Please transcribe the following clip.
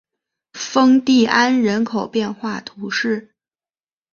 丰蒂安人口变化图示